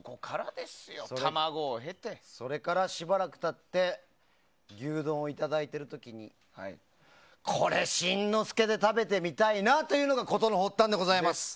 卵を経てそれからしばらく経って牛丼をいただいている時にこれ、新之助で食べてみたいなというのが事の発端でございます。